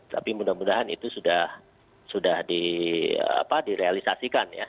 tapi mudah mudahan itu sudah direalisasikan ya